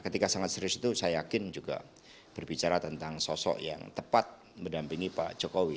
terus itu saya yakin juga berbicara tentang sosok yang tepat mendampingi pak jokowi